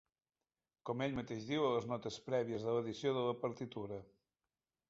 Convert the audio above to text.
Com ell mateix diu a les notes prèvies de l'edició de la partitura.